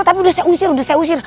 tapi udah saya usir udah saya usir